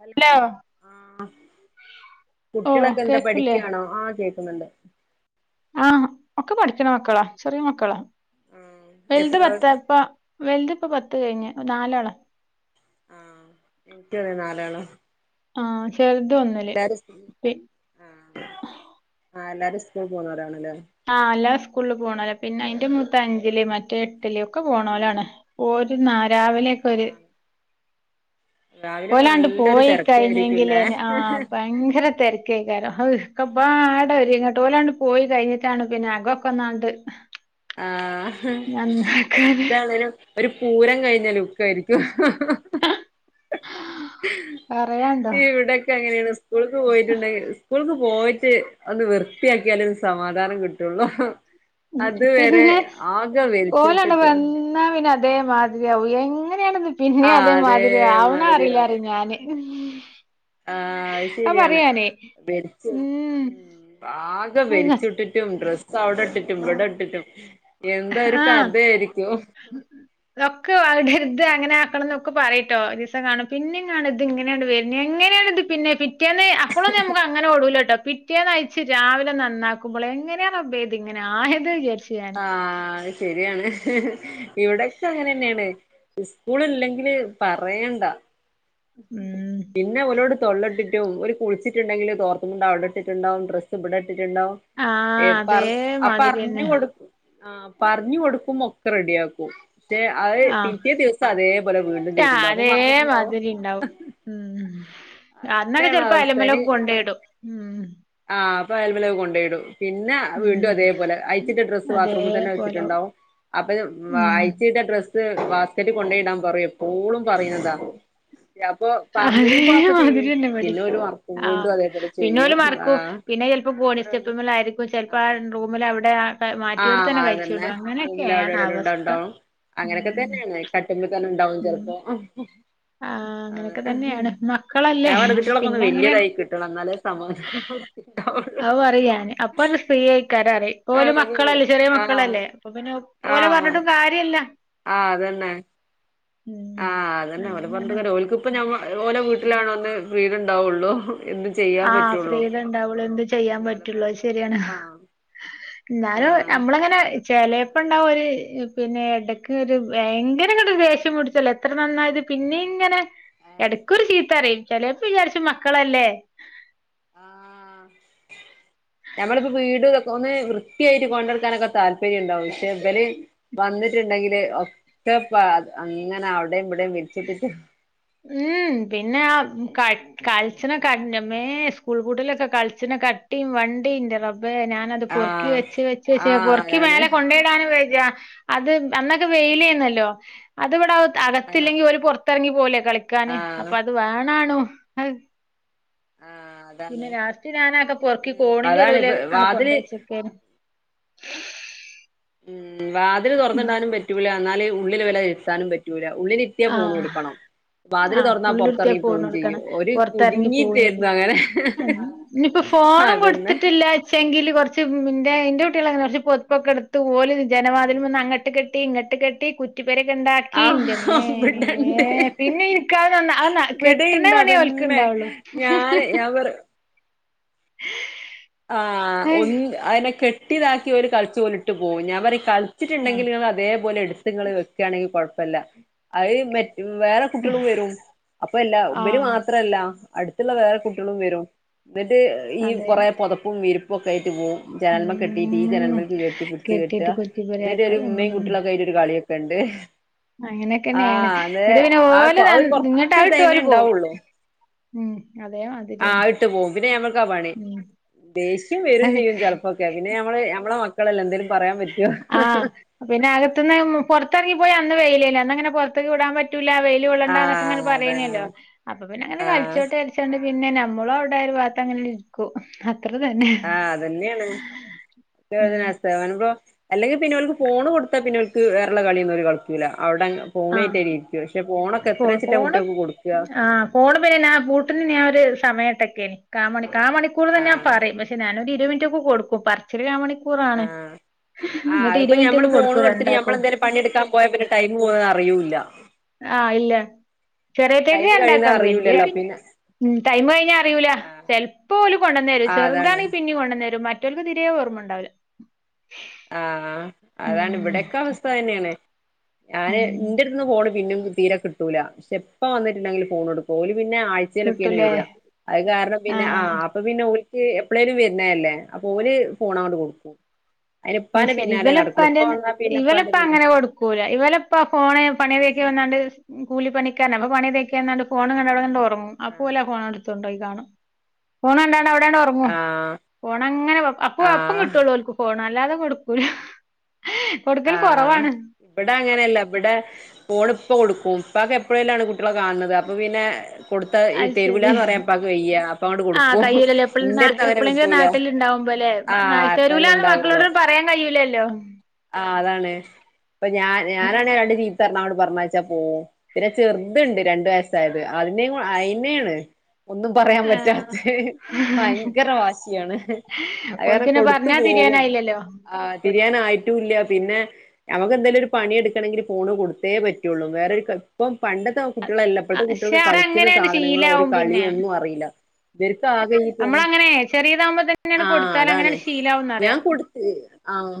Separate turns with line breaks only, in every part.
Hello ആ
ഓ
കുട്ടികളൊക്കെ എന്താ
കേക്കില്ലേ
പഠിക്കുവാണോ ആഹ് കേക്ന്ന്ണ്ട്
ആഹ ഒക്കെ പഠിക്കണ മക്കളാ ചെറിയ മക്കളാ
ആഹ്
വെല്ത്
എത്ര
പത്ത്പ്പ വലുതിപ്പ പത്ത് കഴിഞ്ഞ് നാലാള
ആഹ്‌ എനിക്കതെ നാലാള
ആഹ്‌ ചർത്
എല്ലാരും ആ ആഎല്ലാരും സ്കൂൾ പോണോരാണല്ലേ
ആഹ് അല്ലാ സ്കൂളിൽ പോണോലാ പിന്നെ അയിന്റെ മൂത്ത അഞ്ചില് മറ്റെ എട്ടില് ഒക്കെ പോണോലാണ് ഓല് നാ രാവിലെ ഒക്കൊര്
ആഹ് രാവിലൊക്കെ
ഓലാണ്ട്
നല്ലൊരു
പോയി കഴിഞ്ഞെങ്കിലെ
തിരക്കായിരിക്കുംല്ലേ
ആഹ്‌ ഭയങ്കര തെരക്ക്‌ കേകരം അഹ് ഒക്കപ്പാടങ്ങട്ട് ഒരുര് ഇങ്ങട്ട് ഓലാണ്ട് പോയി കഴിഞ്ഞിട്ടാണ് പിന്നെ അകക്കൊന്നങ്ങട്ട് ഒന്നാണ്ട്
ആ
നന്നാക്കാന്
എന്താണേനും ഒരു പൂരം കഴിഞ്ഞ ലുക്ക്‌ ആയിരിക്കും
പറയാണ്ടോ
ഇവിടൊക്കെ അങ്ങനെയാണ് സ്കൂള്ക്ക് പോയിടട്ട്ണ്ടെങ്കിൽ സ്കൂള്ക്ക് പോയിട്ട് ഒന്ന് വൃത്തിയാക്കിയാലെ സമാധാനം കിടട്ടൊള്ളൂ അത് വരെ
പിന്നെ
ആകെ
ഓലണ്ട്
വലിച്ചിട്ടിട്ട്
വന്നാ പിന്നെ അതേ മാതിരിയാവും എങ്ങനെയാണ് പിന്നെ
ആ അതേ
അതേമാതിരി ആവണ അറിയില്ല അറി ഞാന്
ആഹ് അത് ശരിയാണ് വരിച്ച
ഉം
ഉം ആകെ വരിച്ചിട്ടിട്ട് ഡ്രസ്സ് അവിടെ ഇട്ടിട്ടും ഇവിടെ ഇട്ടിട്ടും എന്താ ഒരു കഥയായിരിക്കും
ഉം [unintelligible] അതൊക്കെ അവിടെ ഇത് അങ്ങനെ ആക്കണം എന്നൊക്കെ പറയട്ടോ ദിവസം കാണും പിന്നെ കാണും ഇത് ഇങ്ങനെയാണ് വരണ് എങ്ങനെയാണ് ഇത് പിന്നെ പിറ്റേന്ന് ആഹ്
[unintelligible]
അങ്ങനെ ഓടൂലകേട്ടോ പിറ്റേന്ന് അയിച്ച് രാവിലെ നന്നാക്കുമ്പോൾ എങ്ങനെയാണ് റബ്ബേ ഇങ്ങനെ ആയത് വിചാരിച്
ആഹ് അത് ശെരിയാണ് ഇവിടൊക്കെ അങ്ങനെന്നെണ് സ്കൂളില്ലെങ്കില് പറയണ്ട
ഉം
പിന്നെ ഓലോട് തൊള്ളട്ടിട്ടും ഓല് കുളിച്ച്ട്ട്ണ്ടെങ്കില് തോർത്തുമുണ്ട് അവിടെട്ടിട്ട്ണ്ടാവും ഡ്രസ്സ് ഇബടെട്ടിട്ട്ണ്ടാവും
ആഹ്
ഏഹ് പറ ആഹ് പറഞ്ഞു
അതേമാതിരിയന്നെ
കൊടുക്കും ആഹ് പറഞ്ഞു കൊടുക്കുമ്പോ ഒക്കെ റെഡിയാക്കും പക്ഷേ അത്
ആഹ്
പിറ്റേ ദിവസം അതേപോലെ വീണ്ടും
ആഹ്
ചെയ്തിട്ടുണ്ടാവും അപ്പൊ മറന്നിട്ടുണ്ടാവും
അതേമാതിരി ഇണ്ടാവും ഉം അന്നരം
അതന്നെയാണ്
ചെലപ്പോ
അവസ്ഥ
അയലിമലൊക്കെ
അയിന്
കൊണ്ടോയിടും ഉം
ആഹ് അപ്പൊ അയലിമ്മലൊക്കെ കൊണ്ടോയിടും പിന്നെ വീണ്ടും
ഉം
അതേപോല അയിച്ചിട്ട ഡ്രസ് ബാത്ത്റൂമിൽ തന്നെ
അതേപോലാവും
വെച്ചിട്ടുണ്ടാവും അപ്പൊ
ഉം
അയിച്ചിട്ട ഡ്രസ് ഇത് ബാസ്ക്കറ്റ് കൊണ്ടോയിടാൻ പറയും എപ്പോഴും പറയുന്നതാ അപ്പൊ പറഞ്ഞയും പാപ്പ
അതേമാതിരി
ചെയ്യും
തന്നെ ഇവടിം
പിന്നെ ഒരു മർക്കും വീണ്ടും അതേപോലെ ചെയ്യും ആഹ്
ക്കുംപിന്നെ ചെലപ്പോ കോണി
അവരത്
സ്റ്റെപ്പിമ്മെലൊ ആയിരിക്കും ചിലപ്പോ ആ
ആഹ്
റൂമിൽ അവിടെ മാറ്റിയെടുത്ത്
ആഹ്
തന്നെ കഴിച്ചു
അതന്നെ
ഇടും
റൂമിൽ അവിടെ എവിടെങ്കിലുംണ്ടാവും അങ്ങനെയൊക്കെ
ഉം
തന്നെയാണ് കട്ടിന്മേൽ തന്നെ ഉണ്ടാവും
ഉം
ചെലപ്പോ
ആഹ്
അതെ
അങ്ങനെയൊക്കെ തന്നെയാണ് മക്കളല്ലേ
അവർ കുട്ടികളാക്ക ഒന്ന്
പിന്നെ അങ്ങനെ
വലിയതായി കിട്ടണം എന്നാലേ സമാ
അഹ് പറയന് അപ്പണ്ട് ഫ്രീ അയ്ക്കാരറിം ഓല് മക്കളല്ലേ ചെറിയ
ആഹ്
മക്കളല്ലേ അപ്പൊ പിന്നെ ഓലെ
ആഹ്
പറഞ്ഞിട്ടും കാര്യല്ല
ആഹ് അത് തന്നെ
ഉം
എന്നന്നെ ഓല
അങ്ങനെയാണ്
പറഞ്ഞ ഓലക്ക് ഇപ്പം ഓല വീട്ടിലാണോന്നേ ഫ്രീഡം ഉണ്ടാവുള്ളു എന്ത് ചെയ്യാൻ
ആഹ്
പറ്റുള്ളൂ
ഫ്രീഡം ഉണ്ടാവുള്ളൂ എന്തും ചെയ്യാൻ പറ്റുള്ളൂ അത് ശരിയാണ്
ആഹ്
എന്നാലും
ആഹ്
നമ്മള അങ്ങനെ ചിലപ്പോ
നമ്മള്
ഉണ്ടാവും ഒരു പിന്നെ എടക്ക് ഒരു ഭയങ്കര ഇങ്ങട് ദേഷ്യം പിടിച്ചല്ലോ എത്ര നന്നായത് പിന്നെ ഇങ്ങനെ
ആഹ്
എടക്കൊരു ചീത്ത പറയും ചിലപ്പ വിചാരിച്ചും മക്കളല്ലേ
ആഹ് ഞമ്മളിപ്പോ വീടക്കെ ഒന്ന് വൃത്തിയായിട്ട് കൊണ്ടടുക്കാനൊക്കെ താല് പ്പര്യം ഉണ്ടാവും പക്ഷേ ഇവര് വന്നിട്ടുണ്ടെങ്കില് ഒക്കെ അങ്ങനെ അവിടെയും ഇവിടെയും വിരിച്ചിട്ടിട്ട്
ഉം പിന്നെ ആഹ് ക കൾച്ച്ണേകൺന്റെമേ സ്കൂൾ പൂട്ടിലൊക്കെ കൾച്ച്നെ കട്ടിം വണ്ടിം ന്റെ റബ്ബേ ഞാന അത് പൊറുക്കി
ആഹ്
വെച്ച് വെച്ച് വെച്ച്
ആഹ്
പൊറുക്കി
അതാണ്
മേല കൊണ്ടയിടാനും വേയ്യാ അത് അന്നൊക്കെ വെയില അരുന്നല്ലോ അത് ഇവിടെ അകത്തില്ലെങ്കി
ആഹ്
ഓല്‌ പുറത്തിറങ്ങി പോല കളിക്കാന്
ആഹ്
അപ്പൊ അത് വേണാണോ അഹ്
ആഹ് അതാണ്
പിന്നെ ലാസ്റ്റ് ഞാനൊക്കെ പൊറുക്കി
ഉം
കോണിന്റെ
അതാണ്
ഒരൂലെ
ഇപ്പ
ആണ് കൊണ്ട്
വാതില്
വച്ചത് ഉ [unintelligible]
ഉം വാതില് തുറന്നിടാനും പറ്റൂല്ല എന്നാല് ഉള്ളില് ഇരുത്താനും പറ്റൂല ഉള്ളി ഉള്ളിലിരിത്തിയാ ഫോൺ
ആഹ്
കൊടുക്കണം വാതിൽ
ആഹ്
തുറന്നാൽ
ഉള്ളിലുരുത്തിയ
പുറത്തിറങ്ങി പോവും
കോണിട്ക്കണം
ചെയ്യും ഒരു
പൊറത്തെറങ്ങി
കുടുങ്ങിട്ടായിരുന്നു അങ്ങനെ
ഇനിപ്പോ ഫോണും
അതന്നെ
കൊടുത്തിട്ടില്ല പക്ഷെങ്കില് കുറച്ച് എന്റെ കുട്ടികളങ്ങനെയാ കുറച്ച് പൊരിപ്പൊക്കെ എടുത്ത് ഓല് ജനവാതിൽ വന്ന് അങ്ങട്ട് കേട്ടി ഇങ്ങട്ട് കെട്ടി കുറ്റിപ്പരക്കെ ഉണ്ടാക്കി
ഇവിടണ്ട്
അത് കെട്ടണ
ഇവിടീണ്ട
പണിയേ ഓൽക്ക്
അതന്നെ
ഇണ്ടാവുള്ളു
ഞാനെ ഞ വർ
[unintelligible]
ആഹ്
അയ്
ഒൻ അതിനെ കെട്ടിതാക്കി ഒരു കേട്ടി ഇതാക്കി കളിച്ച ഓൽ ഇട്ട് പോവും ഞാൻ പറി കളിച്ചിട്ടണ്ടെങ്കിൽ ങ്ങള് അതേപോലെ എടുത്ങ്ങൾ വെക്കാണെങ്കിൽ കുഴപ്പല്ല അത് മ വേറെ കുട്ടികളും വരും അപ്പ എല്ല ഇബര്
ആഹ്
മാത്രല്ല അടുത്തുള്ള വേറെ കുട്ട്യാളും വരും എന്നിട്ട് ഈ
അതെ
കൊറെ പുൊതപ്പും വിരിപ്പും ഒക്കെ ആയിട്ട് പോവും ജനന്മ കെട്ടിട്ട് ഈ
ഉം
ജനന്മക്ക്‌ കെട്ടി ഇട്ത്
കെട്ടിട്ട്
കെട്ട്യാ ന്നട്ടൊരു ഒരു
കുറ്റിപ്പെരയാക്കും
ഇമമീം
ഉം
കുട്ടികളൊക്കായിട് കളിയൊക്കെ ഉണ്ട്
അങ്ങനെയൊക്കെ തന്നെയാണ്
ആഹ് അത്
ഇങ്ങട്ട് പിന്നെ ഓലെ
ആ
നൻ
ഒരു
ങ്ങട് അത്
കൊറച്ച്
ഇട്ട്
ടൈമേ
ഓല് പോവും
ഉണ്ടാവുള്ളൂ
ഉം അതേ മ
ആഹ് ഇട്ട് പോവും പിന്നെ ഞമ്മൾക്കാ പണി ദേഷ്യം വരും
ഉം
ചെയ്യും ചെലപ്പോക്കെ പിന്നെ ഞമ്മള്ടെ മക്കളെല്ല എന്തേങ്കലും പറയാൻ പറ്റുവോ
ആഹ് പിന്നെ അകത്തുന്ന് പുറത്തിറങ്ങിപ്പോയി അന്ന് വെയിലല്ലേ അന്ന അങ്ങനെ പുറത്തേക്ക് വിടാൻ പറ്റൂല്ല വെയ് കൊള്ളേണ്ട എന്നൊക്കെ ഇങ്ങനെ
ആഹ് അതന്നെ
പറയുന്നല്ലോ അപ്പൊ പിന്നെ അനെ
ആഹ്
കളിച്ചോട്ടെ കളിച്ചാണ്ട് പിന്നെ നമ്മളോ ഒരു ഭാഗത്തങ്ങനെ ഇരിക്കും അത്ര തന്നെ
ആഹ അതന്നെയാണ്
ഉം
[unintelligible] അല്ലെങ്കിൽ പിന്നെ ഓല്ക്ക് ഫോണ് കൊടുത്താ പിന്നെലോ ക്ക്‌ വേറെള്ള കളിയൊന്നോല് കളികൂല അവിടെ
ആഹ്
ഫോണേറ്റോലിരിക്കും പക്ഷെ
ഫോ
ഫോണൊക്കെത്രച്ച്ട്ടാ
ഫോണ്
കുട്ട്യാൾക് കൊട്ക്ക
ആഹ് ഫോണ് മ്മല് നാൻ പൂട്ടിന് ഞനൊരു സമയട്ടക്കേനി കാ മണി കാ മണിക്കൂർന്ന് ഞാ
ആഹ്
പറിം പക്ഷെ പക്ഷേ ഞാനൊരു ഇര് വെ മിന് റ്റൊക്കെ കൊടുക്കും പറ പർച്ചില് ക്കാ മണിക്കൂറാണ്
ആഹ് ആഹ്
ഇങ്ങട്ട്
അതിപ്പോ
ഇരുവെ
ഞമ്മള്
മിൻറ്റൊക്കെ
ഫോണ്
കൊടുക്കൂ
കൊടുത്തിട്ട്
രണ്ടാക്കും
ഞമ്മളെന്തേലും പണിയെടുക്കാൻ പോയ പിന്നെ ടൈം പോണറിയൂല്ല
ആഹ് ഇല്ല ചെറിയറ്റേക്ക്
ടൈം കഴിയുന്നത്
രണ്ടാക്കാണ് വല്ല്യ‌
അറിയൂല്ലല്ലോ
പിന്നെ ഉം ടൈമ് കഴിഞ്ഞാ അറിയൂല
ആഹ്
ചെൽപ്പോല് കൊണ്ടന്നെരും
ആഹ് അതാണ്
ചെറ്താണെങ്കി പിന്നിം കൊണ്ടന്നെരും മറ്റോ ല്ക്ക് തിരെയോർമ്മണ്ടാവൂല്ല
ആഹ് അതാണ് ഇവിടെക്കെ അവസ്ഥ അതെന്നേണ് ഞാന്
ഉം
ഇന്റെട്ത്ത്ന്ന് ഫോണ് പിന്നിം തീരെ കിട്ടൂല പക്ഷെ ഇപ്പ വന്ന്ട്ട്ണ്ടെങ്കില് ഫോണൊടുക്കും ഓല് പിന്നെ ആഴ്ചേലൊക്കെയാണ്
കിട്ടൂലേ
വെരാ അത് കാരണം പിന്നെ ആഹ് അപ്പ പിന്നോൽക്ക് എപ്പളേലും വെര്ണെല്ലേ അപ്പൊ ഓല് ഫോണങ്ങണ്ട് കൊടുക്കും അതിന് ഇപ്പാന്റെ
അഹ്ശരി
പിന്നാലെ നടക്കുള്ളൂ ഇപ്പ
ഇവെലെപ്പാന്റെന്നെ
വന്നാ പിന്നെ ഇപ്പാന്റെ പിന്നെ
ഇവലെപ്പങ്ങനെ കൊടുക്കൂല ഇവലെപ്പ ഫോണ് പണിയതിയാക്കി
ആഹ്
വന്നാണ്ട് കൂലിപ്പണിക്കന്നെ അപ്പ പണി മതിയാക്കി വന്നാണ്ട് ഫോണ് കണ്ടാണ്ടാണ്ടൊറങ്ങും
ആഹ്
അപ്പോലാ ഫോണാണ്ടെടുത്തുണ്ടോയി കാണും ഫോണ് കണ്ടാണ്ട് ഓലാണ്ടോർങ്ങും
ആഹാ
ഫോണങ്ങനെ വെ അപ്പ അപ്പം കിട്ടൊള്ളൂ ഓൽക്ക് ഫോണ് അല്ലാതെ കൊടുക്കൂല കൊടുക്കല്
ആഹ്
കൊറവാണ്
ഇബടങ്ങനെല്ല ഇബടെ ഫോണ് ഇപ്പ കൊടുക്കും ഇപ്പാക്കെപ്പെളേലുവാണ് കുട്ട്യളെ കാണ്ണത് അപ്പൊ പിന്നെ കൊടുത്ത
അത്
തെരൂലാന്ന്
ശരി
പറയാ ഇപ്പാക്ക് വെയ്യ അപ്പത്ങ്ങട്ട്
ആഹ്
കൊടുക്കും
കയ്യൂലല്ലോ എപ്പളും നാ
ഇന്റെട്ത്ത്ന്നങ്ങനെ
എപ്പളെങ്കിലും
കിട്ടൂല
നാട്ടില്ണ്ടാവുമ്പല്ലേ
ആഹ് അതന്നെണ്ടാവൊള്ളു
പറയാ കയ്യൂലല്ലോ?
ആ അതാണ് ഇപ്പ ഞാ ഞാനാണെ രണ്ട് ചീത്തറഞ്ഞാ അങ്ങട്ട് പറഞ്ഞയ്ച്ചാ പോവും പിന്നെ ചെറ്ത്ണ്ട് രണ്ടു വയസ്സായത് അതിനെയ അയിന്നേണ് ഒന്നും പറയാം
ആഹ്
പറ്റാത്തെ ഭയങ്കര വാശിയാണ് അറിയാതെ
ഓൽക്ക്ന്നെ
കൊടുത്തു
പറഞ്ഞാ
പോവും
തിരിയാനായില്ലല്ലോ
ആ തിരിയാനായിട്ടുല്ല്യ പിന്നെ ഞമ്മക്കെന്തേലൊരു പണിയെടുക്കണങ്കില് ഫോണ് കൊടുത്തേ പറ്റൊള്ളൂ വേറൊരു കളി ഇപ്പം പണ്ടത്തെ കുട്ടിയളല്ല ഇപ്പളത്തെ
പക്ഷെ
കുട്ടിയൾക്ക് കളിക്കുന്ന
അതങ്ങനെയാണ്ട്
സാധനങ്ങളോ ഒരു
ശീലാവും പിന്നെ
കളിയോ ഒന്നും അറീല്ല ഇവര്ക്ക് ആകെ ഈ ഫോൺ
നമ്മളങ്ങനെ ചെറിയതാവുമ്പോ തന്നെയാണ്ട്
ആ
കൊടുത്താൽ
അതാണ്
അങ്ങനെയാണ്ട്
ഞാൻ
ശീലാവുംന്നറിയാ
കൊടു മ്മ് ആഹ്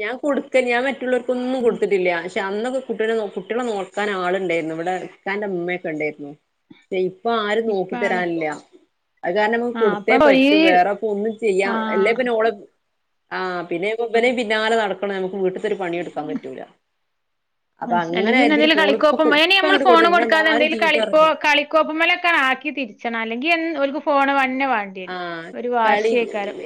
ഞാൻ കൊടുക്കല്ല്യ ഞാം മറ്റുള്ളോർക്കൊന്നും കൊടുത്തിട്ടില്ല പക്ഷെ അന്നൊക്കെ കുട്ടിനെ കുട്ടിയളെ നോക്കാനാള്ണ്ടായിരുന്നു ഇവടെ ഇക്കാന്റെ ഇമ്മയെക്കെണ്ടായ്രുന്നു പക്ഷേ ഇപ്പൊ ആരും
ഇപ്പ ആള്
നോക്കിതരാനില്ല്യ അത്കാരണം നമ്മക്ക്
ആഹ്
കൊടുത്തേ
അപ്പൊ ഈ
പറ്റു വേറെപ്പൊന്നും ചെയ്യാം എല്ലേ
ആഹ്
പിന്നോളെ ആഹ് പിന്നെപ്പൊ ഇബലിം പിന്നാലെ നടക്കണം നമ്മക്ക് വീട്ട്ത്തൊരു പണിം എട്ക്കാപറ്റൂല.
അഹ് ശെരി അല്ലെങ്കി പിന്നെന്തേലും കളിക്കോപ്പും
ഇപ്പ
ഇനിയമ്മള്
അങ്ങോട്ട് കൊടുത്ത്
ഫോണ്
എന്നെ എല്ലാരും
കൊടുക്കാതെന്തെങ്കിലും
ചീത്ത
കളിപ്പൊ
പറയും
കളി കളിക്കോപ്പ്മ്മലൊക്കെ ആക്കിതിരിച്ചണം അല്ലെങ്കി എന്നും ഓൽക്ക് ഫോണ് തന്നെ വാണ്ടി
ആഹ് കളി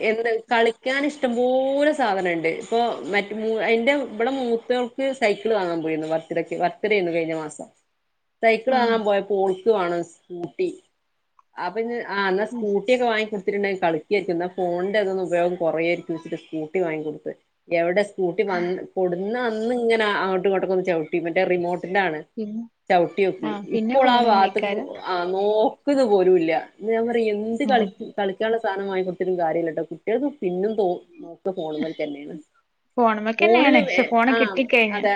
എന്ത്? കളിക്കാനിഷ്ടംപോലെ സാധനെണ്ട് ഇപ്പൊ മറ്റ് മൂ എന്റെ ഇബളെ മൂത്ത ൾക്ക് സൈക്കിള് വാങ്ങാൻ പോയ്രുന്നു ബർത്ത്ടക്ക് ബർത്ത്ഡേര്ന്നു കഴിഞ്ഞമാസം സൈക്കിള്
ആഹ്
വാങ്ങാൻപോയപ്പോ ഓൾക്ക് വാണം സ്കൂട്ടി അപ്പന്നെ ആ ഇന്നാ സ്കൂ ട്ടിയൊക്കെ വാങ്ങി കൊട്ത്ത്ട്ട്ണ്ടെങ്കി കളിക്കുവായിരിക്കും ഇന്നാ ഫോണിന്റെ ഇതൊന്ന് ഉപയോഗം കൊറേയ്ര്ക്കു വെച്ച്ട്ട് സ്കൂട്ടിവാങ്ങികൊട്ത്ത് എവ്ടെ സ്കൂട്ടി വന്ന് കൊടുന്നന്ന്ങ്ങെനെ അങ്ങോട്ടുങ്ങോട്ടൊക്കൊന്ന് ചവ്ട്ടി മറ്റേ റിമോട്ടിന്റാണ്
പിന്നെ
ചൗട്ടിയോക്കി
ആഹ് പിന്നെ
ഇപ്പോളാവാത്ത്ക്ക്
ഫോണെന്നേക്കാരം
ആഹ് നോക്ക്ന്ന് പോലുല്ല്യ ഞാപറിയാ എന്ത്
ഉം
കളിക്ക് കളി കുട്ടികൾക്ക് സാനംമാങ്ങിക്കൊട്ത്തിട്ടുംകാര്യല്ലട്ടൊ കുട്ടികൾക്ക് പിന്നും തോ നോക്ക ഫോണു മേമൽതന്നെയാണ്
ഫോണ് മക്കെതന്നെയാണ് പ ക്ഷെഫോണ് കിട്ടിക്കഴിഞ്ഞ
അതെ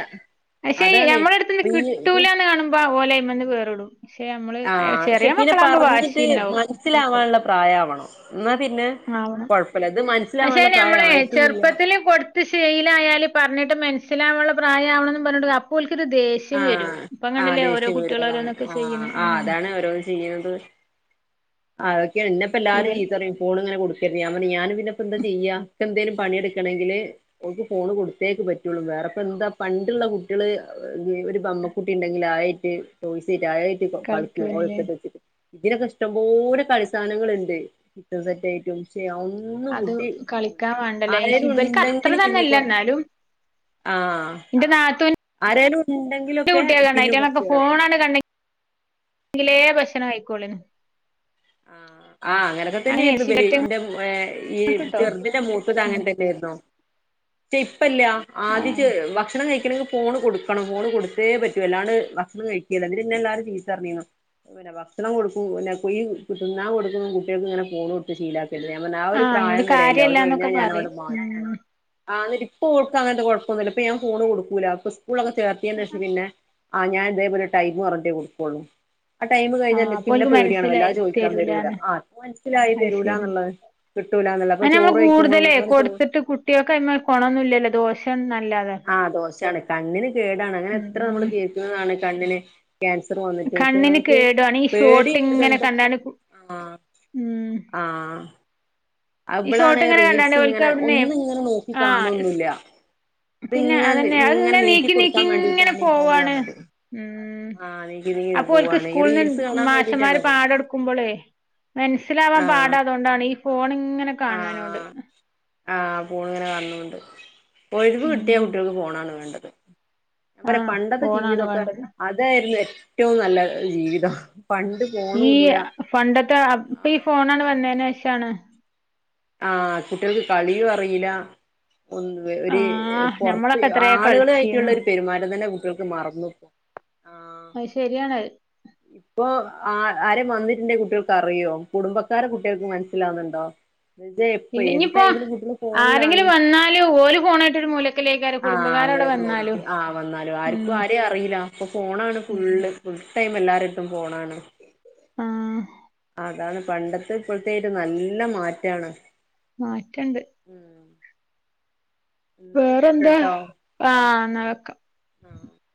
പഷെ
അതാണ് റീ
ഞമ്മളെട്ത്ത്ന്ന്കിട്ടൂലന്ന്കാണുമ്പോ ഓലയ്മന്ന് വേറ്ടും പഷെ അമ്മള് ചെറിയമക്കളാവുമ്പോ വാശിണ്ടാവും
സ്സിലാവാൻള്ളപ്രായവണംന്നാപിന്നെ
ആവണം പഷെ
പ്രായായിട്ടുല്ല
നമ്മളെചെറുപ്പത്തില് കൊട് ഇത് ശീലായാല് പർഞ്ഞിട്ട് മൻസ്സിലാവുൻള്ള പ്രായാണന്നും പർഞ്ഞിട്ട് അപ്പോൽക്കൊരു ദേഷ് ഷ്യംവരും
ആഹ് ആഹ്
ഇപ്പങ്ങണ്ടില്ലേഓരോ
ദേഷ്യം
കുട്ടിയൊളൊഓരോന്നൊക്കെ ചെയ്യ്ണെ ഉം
ചെയ്യണത് അതൊക്കെഇന്നപ്പെ
ഇവൽ
എല്ലാരുംചീത്ത പറയും ഫോണ്ഇങ്ങനെകൊടുക്കല്ലെ ഞാൻപർഞ്ഞ് ഞാന്ഇതിനെപ്പെന്താചെയ്യാ എന്തേലുംപണിയെടുക്കണെങ്കില് ഓക്ക് ഫോണ്കൊടുത്തേക്ക്പറ്റൊള്ളൂ വേറെപ്പന്താ പണ്ടുള്ളകുട്ടിയള് ഒരുബമ്മക്കുട്ടിണ്ടെങ്കിലായി ട്ടൊയ്സ്സെറ്റ് അയെറ്റ്കളിക്കും ഓര്
കളിക്കാണ്ല്ലേ
എടുത്തിട്ട്‌ വച്ചിട്ട് ഇതിനൊക്കെ ഇഷ്ടം പോട് കളിസാനങ്ങള്ണ്ട് കിച്ചൻസെറ്റായിട്ടും ശെ
അത്
ഒന്നുംകുട്ടി പോവുല
കളിക്കാൻ വേണ്ടല്ലേ
ആരെലും
ഇബൽക്ക് അത്ര
ഉണ്ടെങ്കില് പിന്നെ
തന്നെല്ല
കൊറ
എന്നാലും
ആഹ് ആരേലുംഉണ്ടെ
ന്റെ കുട്ട്യാൾകാണേ അയ്റ്റങ്ങളൊക്കെ ഫോണാണ്ട്കൺ [inaudible] ലേ ഭക്ഷണം കഴിക്കോള്ളേനി
ആഹ് ആഹ് അങ്ങനൊക്കെതന്നെയ്രുന്നുബെല് ന്റെഹെ ഈ
കിട്ടോ
ചെറുതിന്റെമൂത്തത്അങ്ങൻത്തെ യെര്ന്നു ഇപ്പല്ല ആദ്യ ചെ
ആഹ്
ഭക്ഷണംകഴിക്കണെങ്ക ഫോണ്കൊട്ക്കണം ഫോണ്കൊടുത്തേപറ്റൂ അല്ലാണ്ട്ഭക്ഷണംകഴിക്ക്യേല്ല ന്നിട്ട്ന്നെഎല്ലാരും ചീത്തറ്ഞ്ഞീന്നു പിന്നെഭക്ഷണംകൊടുക്കും പിന്നെകുയ് കിട്ടുന്നകൊട്ക്കുന്ന കുട്ടിയാൾക്ക്ങ്ങനെ ഫോണൊട് ശീലക്കാര്ത് ഞാൻപറഞ്ഞു ആഒരു
ആഹ് അയിനോട്
പ്രായംവരെല്ലെ
കാര്യല്ലാന്നൊക്കെ പറയും
അഹ്കഴിഞ്ഞാഞാനങ്ങ്ട്ട്മാറ്റും
ഉം
ആന്നിട്ട്പ്പൊൾക്കങ്ങൻത്തെ കൊഴപ്പൊന്നുല്ല ഇപ്പഞാൻ ഫോണ്കൊടുക്കൂല ഇപ്പസ്കൂൾളൊക്കെ ചേർത്തിയെന്നെ ശേഷം പിന്നെ ആഹ് ഞാൻഇതേപോലെ ടൈം പറഞ്ഞ്ട്ടെകൊട്ക്കോള്ളൂ ആ
ആഹ്
ടൈമ്കഴിഞ്ഞാല്
അപ്പോൽക്ക്
പിന്നെപേടിയാണ്
മനസ്സിലായി
വല്ലാതെചോയിക്കാൻ വരൂല
തരൂലാന്ന്
ആഹ് ഇപ്പോമൻസ്സിലായി
അത് ശരി
തരൂലന്നുള്ളത് കിട്ടൂലന്നുള്ള ഇപ്പൊചോറ്യ്ക്കുമ്പോഴും ഞാൻ പറഞ്ഞുചോറ്
കുട്ടികൾക്ക്യ്മ്മെ കൊണൊന്നുല്ലല്ലോ ദോഷാന്നല്ലാതേ
ആ ദോശാണ് കണ്ണിന്കേടാണ്
ഉം
അങ്ങനെഎത്രനമ്മള് കേക്ക്ന്നതാണ്കണ്ണിന് ക്യാൻസറ് വന്നിട്ടു
കണ്ണിന്
പഷെ
കേടുവാണ് ഈ ഷോട്ട്
പേടിണ്ട്‌
ഇങ്ങനെ കണ്ടാണ്ട്
[unintelligible]
കു
ആഹ്
ഉം
ആഹ്
ഈ
അവളാണ്
ഷോട്ട്ങ്ങനെ
റീൽസ്
കണ്ടാണ്ടേ
ഇങ്ങനെ
ഓൽക്കവ്ട്ന്നെ
ഒന്നും ഇങ്ങനെ നോക്കി
ആഹ് ഇസ്
കാണൊന്നുല്ല ഇതിങ്ങനെ
പിന്നെഅതന്നെ
ഇങ്ങനെ
അത്ങ്ങനെ
നീക്കി കൊടുക്കാൻ വേണ്ടിയിട്ടാണ് ഈ ഫോണ്
നീക്കിനീക്കിഇങ്ങനെപോവാണ്
പറഞ്ഞത്
ഉം
ആഹ് നീക്കി നീക്കി
അപ്പൊഓൽക്ക്
പോവാണ് ഈ
സ്കൂൾന്ന്
റീൽസ് കാണാൻ വേണ്ടിട്ടാണത്
മാഷന്മാര്പാടം എടുക്കുമ്പോളേ മൻസ്സിലാവാൻ
ആഹ്
പാടാഅതൊണ്ടാണ് ഈഫോണ്ങ്ങനെകാണാനോണ്ട്
ആഹ് ആഹ് ഫോൺങ്ങനെകാൺണൊണ്ട് ഒഴിവ്
ഉം
കിട്ടിയകുട്ടിയൊൾക്ക് ഫോണാണ് വേണ്ടത്
ആഹ്
ഞാൻപറപണ്ടത്തെ
ഫോണാണ്
ജീവിതൊക്കെ
വേണ്ടത്
അതായ്രുന്നു ഏറ്റവുംനല്ലജീവിതം പണ്ട്
ഈ
ഫോണൂല്ല
പണ്ടത്തെ അപ്പ് ഇപ്പൊഈ ഫോണണ് വന്നേനേശാണ്
ആഹ് കുട്ടികൾക്ക് കളിയും അറിയില്ല ഒന്നും ഒര്
ആഹ്
പൊറത്ത്
ഞമ്മളൊക്കെ എത്രേ
ആളുകളു ആയിട്ടുള്ള
കളിച്ചീന്നു
ഒരു പെരുമാറ്റം തന്നെ കുട്ടികൾക്ക് മറന്നു
അത് ശെരിയാണ്
ഇപ്പോ ആ ആരെ വന്നിട്ടുണ്ടേ കുട്ടികൾക്ക് അറിയോ കുടുംബക്കാരെ കുട്ടികൾക്ക് മനസ്സിലാവുന്നുണ്ടോ നിന്റെ
ഇല്ല ഞ്ഞിപ്പോ ആരെങ്കിലും വന്നാല് ഓല് ഫോണായിട്ട് ഒരു മൂല
ആഹ് മൂലെത്തന്നെയായിരിക്കും ആഹ് വന്നാലും
ഉം
ആർക്കും ആരെയെ അറിയില്ല ഇപ്പോ ഫോണാണ്
ഉം
ഫുള്ള് ഫുൾ ടൈം എല്ലാരടെ അടുത്തും ഫോണാണ്
ആഹ്
അതാണ് പണ്ടത്തെ ഇപ്പോഴത്തെലും നല്ല മാറ്റാണ്
മാറ്റണ്ട്
ഉം എന്നാ
വേറെന്താ
ആയിക്കോട്ടെട്ടോ
ആഹ് എന്നാ വെക്കാം
ആഹ്